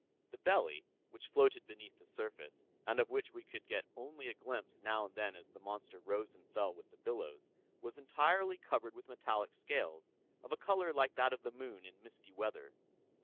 The belly, which floated beneath the surface, and of which we could get only a glimpse now and then as the monster rose and fell with the billows, was entirely covered with metallic scales, of a color like that of the moon in misty weather.